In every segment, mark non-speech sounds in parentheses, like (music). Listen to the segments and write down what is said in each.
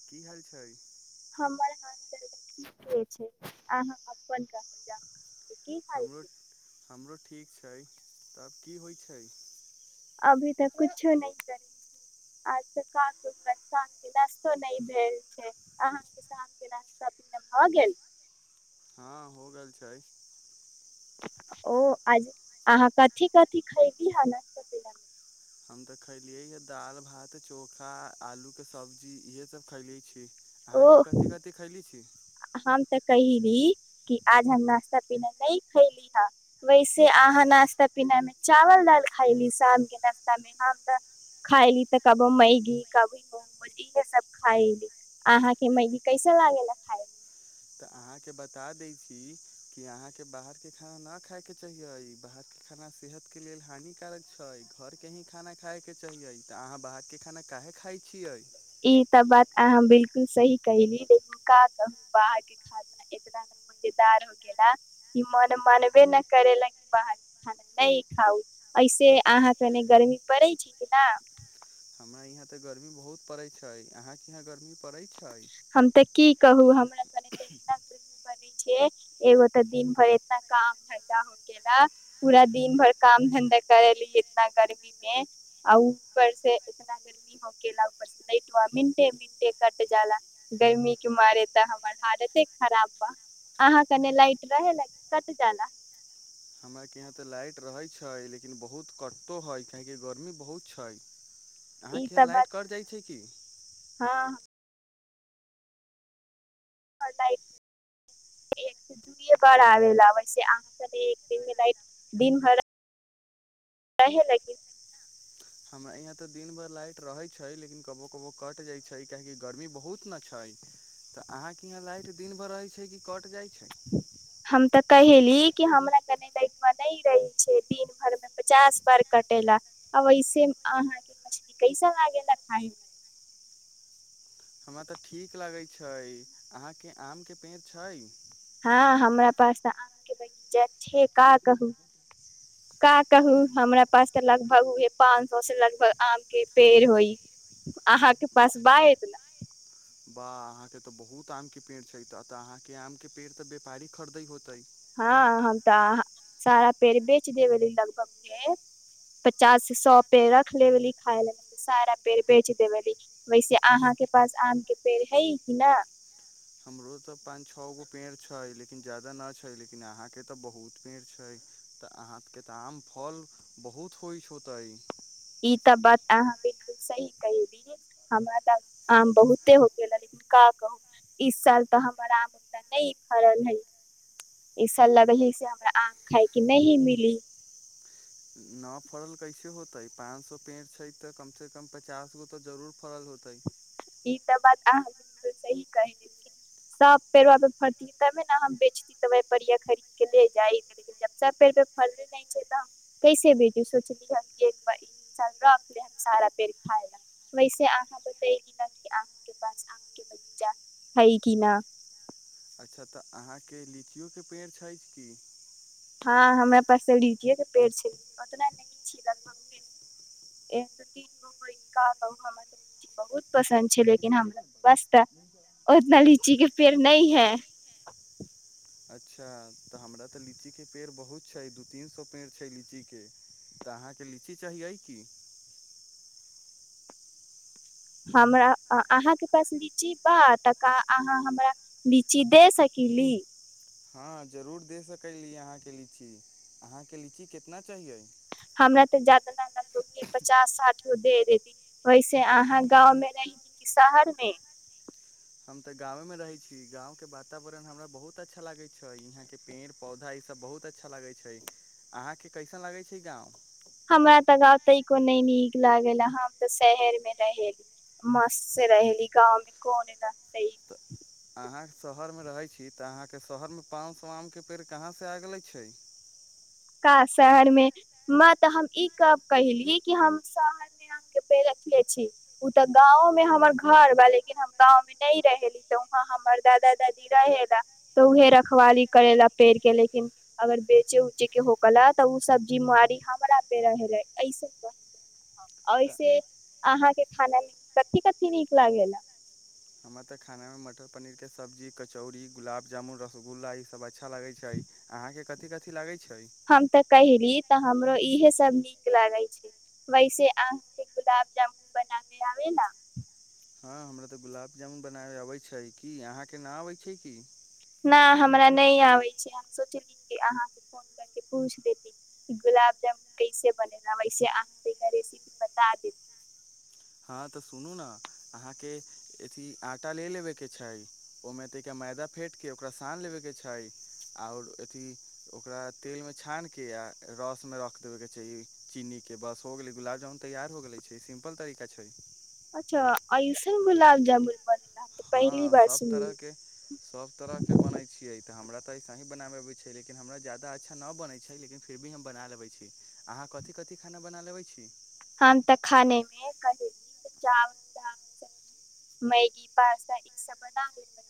की हाल छै हमर हाल तऽ ठिके छै अहाँ बताउ कोनच जा (inaudible) हमरो (inaudible) हमरो ठीक छै तऽ आब की होय छै अभी तऽ कछो नहि करैत छै आज तऽ क साँझकेँ नरास्तो नहि भेल छै अहाँ केँ शामकेँ नास्ता भऽ गेल हँ हो गेल छै ओ आज अहाँ कथी कथी खयली हे नाश्ता (inaudible) हम ते खलिये ये दाल भात चोखा आलू के सब्जी इहे सब खले अछि मे ओ अहाँकेँ कथी कभी खैली अछि हम तऽ कहिली कि आज हम नास्ता पीना नहि खैली हे वैसे अहाँ नास्ता पिना मे चावल दाल खायली शाम के नाश्ता मे हम तऽ खायली तऽ कबो मैगी कबो मोज इहे सब खायली अहाँके मैगी कैसन लागेली तऽ अहाँके बता दै छी कि अहाँके बाहरके खाना नहि खायके चाहहिै बाहरके खाना सेहतके लेल हानिकारक छै घरके ही खाना खायके चाहिए तऽ अहाँ बाहरके खाना काहे खाइ छियै ई तऽ बात अहाँ बिल्कुल सही कली लेकिन का कहू बाहरके खाना इतना ने मजेदार हो गेला कि मन मानबे न करेला कि बाहरके खाना नहि खाउ ऐसे अहाँकेँ उने गर्मी पड़ै छै कि न हमरा यहाँ ते गर्मी बहुत पड़े छै अहाँकेँ यहाँ गर्मी पड़ै छै हम तऽ की कहू हमरा (inaudible) करे छै एगो ते दिन भर इतना काम धंधा हो केेला पूरा दिन भर काम धंधा करेली इतना गर्मी में आ ऊपर से इतना गर्मी हो केेला ऊपर से लाईटवा मिनटे मिनटे कट क जाला गर्मी के मारे तऽ हमर हालते खराब बा अहाँकेँ कने लाइट रहे ला की कट जाला हमरा के यहाँ ते लाइट रहे छै लेकिन बहुत कटतो हइ काहेकि गर्मी बहुत छै ई अहाँकेँ यहाँ तऽ बात लाइट कटि जाइ छै की हँ (unintelligible) हमरा यहाँ ते दिन भर लाइट रहे छै लेकिन कबो कबो कट जाय छै काहे की गर्मी बहुत न छै तऽ अहाँके यहाँ लाइट दिन भर रहे छै कि कट जाइ छै हम तऽ (inaudible) कहेली कि हमरा कने लक नहि रहे छै दिन भर मे पचास बार कटेेला आ ऐसे अहा के मछली कैसा लागेला खााय मे हमरा तऽ ठीक लगैत छै अहाँकेँ आम के पेड़ छै हँ हमरा पास आम (inaudible) जाए छै का कहू का कहू हमरा पास तऽ लगभग उहे पाँच सौ से लगभग आम के पेड़ होई अहाँकेँ पास बा एतना वा अहाँकेँ तऽ बहुत आम के पेड़ छै तऽ अहाँकेँ आम के पेड़ तऽ व्यापारी खरीदे होते हँ ह त सारा पेड़ बेच देबेली लगभग पचास से सए पेड़ रख लेबी खाय ले सारा पेड़ बेच देवेली वैसे अहाँके पास आम के पेड़ है कि न हमरो तऽ पाँच छओ गो पेड़ छै। लेकिन ज्यादा नहि छै लेकिन अहाँके तऽ बहुत पेड़ छै। तऽ अहाँके तऽ आम फल बहुत होइत छै। होते ई त बात अहाँ बिलकुल सही कहि दी हमरा तऽ आम बहुते होकेे लेकिन का कहू इस साल तऽ हमर आम उ नहि फड़ल हे इ साल लगे हे से हमरा आम खाइके नहि मिली न फड़ल कैसे होत ते पाच सो पेड़ छै तऽ कम से कम पचास गो तऽ जरूर फड़ल होते ई त बात अहाँ बिलुकुल सही कहे लेकिन सब पेड़ फरती तबे ने हम बेचती त खरीद के ले जाय लेकिन सब पेड़ पे फरले नहि छै। तऽ हम कैसे बेचू सोचली रख ले सारा पेड़ खा ल वैसे अहाँ त अाँ के पास आ के बगीचा है की न अच्छा तऽ अहाँके लीचियोक के पेड़ छै। की हँ हमरा पास तऽ लीचीएके पेड़ छै। लेकिन ओतना नहि छै। लगभग तीन गोरा लीच बहुत पसन्द छै। लेकिन हमरा पास तऽ उतना लीची के पेड़ नहि है। अच्छा तऽ हमरा तऽ लीचीके पेड़ बहुत छै। दू तीन सए पेड़ छै। लीची के तऽ अहाँके लीची चाहि की हमरा अहाँके पास लीची बा त अहाँ हमरा लीची दे सकली हँ जरूर दे सकली अहाँके लीची अहाँके लीची कितना चाहिैए हमरा तऽ जादा पचास साठ गो दे देती वैसे अहाँ गाँवमे रही कि शहरमे हम तऽ गाँव मे रहै छी, गाँं के वातावरण हमरा बहुत अच्छा लागैत छै। यहाँ के पेड़ पौधा ई सब बहुत अच्छा लागैत छै। अहाँके कैसन लागैत छै। ई गाँंव को नहि नीक लागल हम तऽ शहर मे रहेली मस्त से रहेली गाँंव मे कोन रहते तऽ अहाँ शहरमे रहै छी तऽ अहाँके शहरमे पाँच स आम के पेड़ कहाँ से आ गेले छै। क शहर मे म तऽ हम ई कहली कि हम शहर मे आ के पेड़ रखले छी। ओ तऽ गाँंवं में हमर घर बा लेकिन हम गांव में नहि रहेली तऽ वहा हमर दादा दादी रहेला तऽ उहे रखवाली करे ला पेड़ के लेकिन अगर बेच के होकल ह तऽ ओ सब्जी मारी हमरा पे रहे ऐसे तऽ ऐसे अहाँ के खाना मे कथिी कथि नीक लाग हमरा तऽ खाना मे मटर पनीर के सब्जी कचौड़ गुलाब जामुन रसगुल्ला ई सब अच्छा लगै छै। अहाँ के कथि कथि लागै छै। हम तऽ कहली तऽ हमरो इहे सब नीक लागै छै। वैसे अहाँके गुलाब जामुन बनाबे आबे ने हँ, हमरा तऽ गुलाब जामुन बनाबै अबैत छै। कि अहाँके नाम अबैत छै, की नहि हमरा नहि आबै छै, हम सोचली कि अहाँसँ फोन करके पूछि देती कि गुलाब जामुन कैसे बनेना वैसे अहाँ तरा रेसिपी बता देती हँ, तऽ सुनू ने अहाँके अथी आटा ले लेबेके छै। ओहिमे त एका मैदा फेटके ओकरा सान लेबेके छै। छै ओकरा तेलमे छानिके आ रसमे रख देबयके चाही चीनी के बस हो गेलै गुलाब जामुन तैयार हो गेलै छै। सिम्पल तरीका ठीक छै अच्छा आयुसा गुलाब जामुन बने हँ सब तरह के सब तरह के बनैत छियै। तऽ हमरा तऽ ऐसे ही बनाबऽ अबै छ लेकिन हमरा जा्याददा अच्छा नहि बनैत छै। लेकिन फिर भी हम बना लेबै छी। अहाँ कथी कथी खाना बना लेबै छी। हम तऽ खाने मे कहली चावल दाल सब्जी मैगी पास्ता ई सब बना लेेक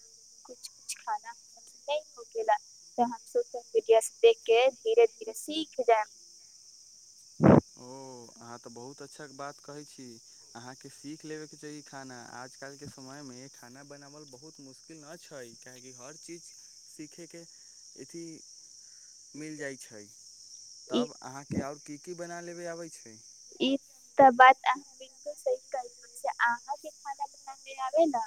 कु कुछु खाना हमर से नहि हो गेला तऽ हम सोशल मीडिया से देख के धीरे धीरे सीख जायब ओ अहाँ तऽ बहुत अच्छा बात कहै छी, अहाँके सीख लेबेके चाही खाना आजकलके समयमे खाना बनावल बहुत मुश्किल नहि छै, कियाकि हर चीज सीखैके अथी मिल जाइत छै, ई तब अहाँके आओर की की बना लेबे आबै छै, ी ई तऽ बात अह बिलकुल सही करैस अहाँके खाना बनाे आबे ने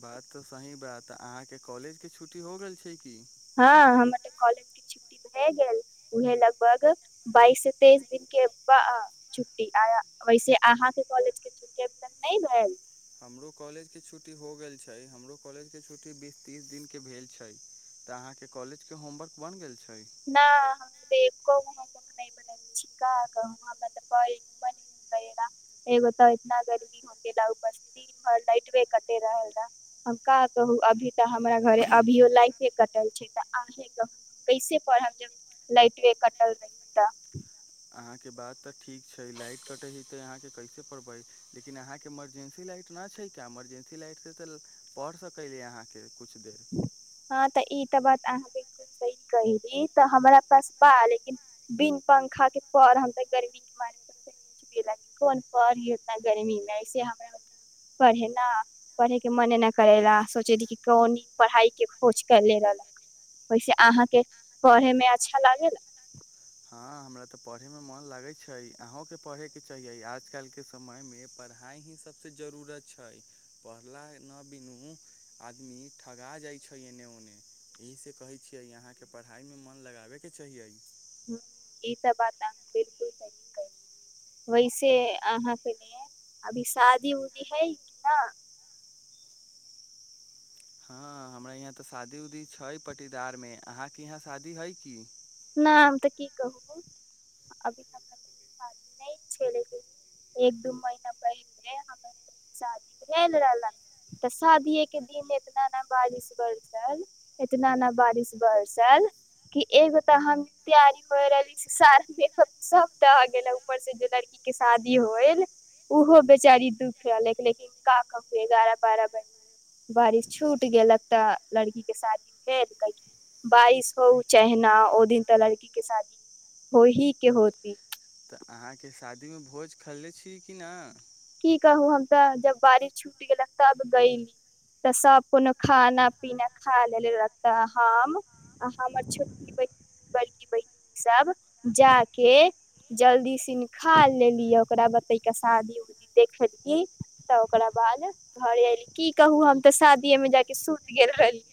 बात तऽ सही बात अहाँके कॉलेज के छुट्टी हो गेल छै, की हँ, हमर तऽ कॉलेज के छुट्टी भए गेल उएहे लगभग बाइस से तेइस दिनक के छुट्टी वैसे अहाँके कॉलेज के छुटटी अब तक नहि भेल हमरो कॉलेज के छुट्टी हो गेल छै। हमरो कॉलेज के छुट्टी बीस तीस दिन के भेल छै। तऽ अहाँ के कॉलेज के होमवर्क बन गेल छै। न हम हम नै बनेेने छी का कहु एगो तऽ इतना गर्मी होगेला ऊपर से दिन भर लाइटवे कटे रहेला हम का कहू अभी तऽ हमरा घरे अभियो लाइटे कटल छै त अहे कहू कैसे पर हम जब लाइट वे कटल रही तऽ अहाँके बात तक ठीक छै लाइट कटैहै त अहाँके कैसे परबै लेकिन अहाँके इमरजेंसी लाइट ना छै। का इमरजेंसी लाइट से पढ़ सकैली अहाँके कुछ दे त बात अहाँ बिलकुल सही कहली तऽ हमरा पास बा लेकिन बिन पंखा के पढ़म त गर्मी के मारे पसिना चले लागी कोन पढ़ी उतना गर्मी मे ऐसे हमरा उना पढ़े ना पढ़े के मने न करे ला सोचेली कि कोन पढ़ाइ के खोज कैले रहलक ओहिसे अहाँके पढ़ेमे अच्छा लागेला हँ हमरा तऽ पढ़ैमे मन लागै छै। अहूँके पढ़ैके चाहिय‌ए आजकल के समय मे पढ़ाइ ही सबसे जरूरत छै। पढ़ला नहि बिनू आदमी ठगा जाइ छै। एने ओने एहिसे कहै छियै अहाँके पढ़ाइ मे मन लगाबे के चाहियए ह ई तऽ बात अहांँ बिलकुल सही कैली वैसे अहाँके ओने अभी शादी उदी हइ कि न हँ हमरा यहाँ तऽ शादी उदी छै। पटीदार मे अहाँके यहाँ शादी हइ की नहि हम तऽ की कहू अभी हमरा शादी नहि छैे लेकिन एक दू महीना पहिले हमर शादी भेल रहलन तऽ शादीेये के दिन इतना ने बारिश बरसल इतना ने बारिश बरसल कि एगो तऽ हम तैयारी होइ रहली से सारा मेकप सब दह गेल ऊपर से जे लड़की के शादी होयल ओहो बेचारी दुख रहलक लेकिन का कहु एगारह बारह बजे बारिश छूट गेलक तऽ लड़की के शादी भेल कैकि बारिश होउ चाहेना। ओ दिन तऽ लड़की के शादी हो ही के होती तऽ अहाँके शादीमे भोज खेलै छी कि नहि की कहू हम तऽ जब बारिश छुट गेलक तब गयली तऽ सब कोनो खाना पीना खा लेलक तऽ हम आ हमर छोटकी ब बड़की बहिन सब जाके जल्दी सिन खा लेली ओकरा बाद तैका शादी उदी देखलीयै तऽ ओकरा बाद घरे एयली की कहू हम तऽ शादीये मे जाके सुति गेल रहली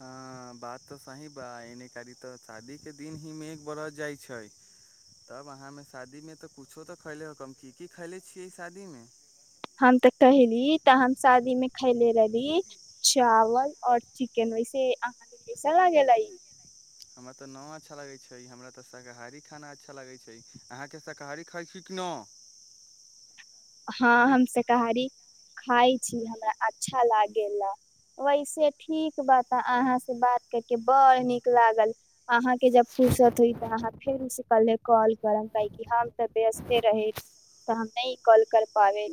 हँ बात तऽ सही बा एने कारी तऽ शादीके दिन ही मेघ बरस जाइ छै तब अहाँमे शादीमे तऽ कुछो तऽ खैले हकम की की खैले छियै शादीमे हम तऽ कहली तऽ हम शादी मे खैले रहली चावल और चिकेन वैसे अहाँके कैसा लागेला इ हमरा तऽ न अच्छा लगैत छै हमरा तऽ शाकाहारी खाना अच्छा लगैत छै अहाँके शाकाहारी खाइ छी कि न हँ हम शाकाहारी खाइ छी हमरा अच्छा लागेला वैसे ठीक बात अहाँ से बात करके बड़ नीक लागल अहाँके जब फुर्सत होइ तऽ अहाँ फेरोसँ कल्हे कॉल करब काय कि हम तऽ व्यस्ते रहे तऽ हम नहि कॉल कर पावे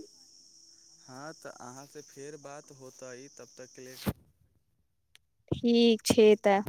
अहाँ से फेर बात होतै तब तकके लेल ठीक छै तऽ